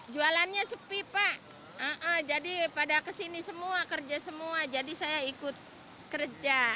jualannya sepi pak jadi pada kesini semua kerja semua jadi saya ikut kerja